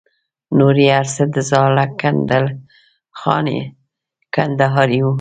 نور یې هر څه د زاړه کندل خاني کندهاري وو.